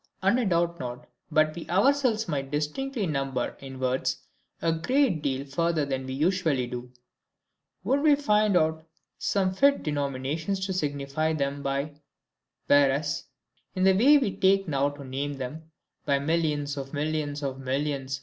And I doubt not but we ourselves might distinctly number in words a great deal further than we usually do, would we find out but some fit denominations to signify them by; whereas, in the way we take now to name them, by millions of millions of millions, &c.